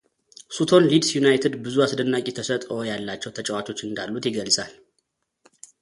ሱቶን ሊድስ ዩናይትድ ብዙ አስደናቂ ተሰጥዖ ያላቸው ተጫዋቾች እንዳሉት ይገልጻል።